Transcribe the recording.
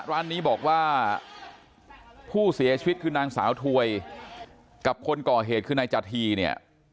ร้านนี้บอกว่าผู้เสียชีวิตคือนางสาวถวยกับคนก่อเหตุคือนายจาธีเนี่ย